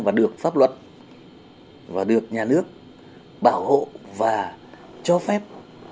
và được pháp luật và được nhà nước bảo hộ và cho phép